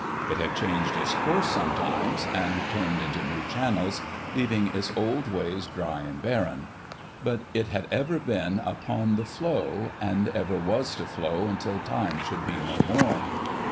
It had changed its course sometimes, and turned into new channels, leaving its old ways dry and barren ; but it had ever been upon the flow, and ever was to flow until Time should be no more.